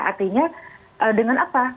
artinya dengan apa